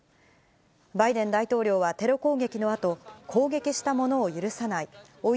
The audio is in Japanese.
バイデン大統領はテロ攻撃のあと、攻撃した者を許さない。